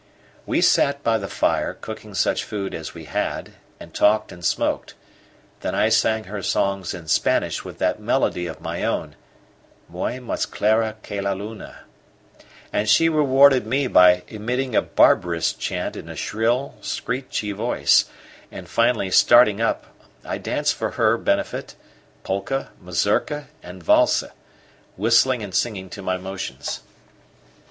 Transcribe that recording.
We sat by the fire, cooking such food as we had, and talked and smoked; then I sang her songs in Spanish with that melody of my own Muy mas clara que la luna; and she rewarded me by emitting a barbarous chant in a shrill, screechy voice; and finally, starting up, I danced for her benefit polka, mazurka, and valse, whistling and singing to my motions.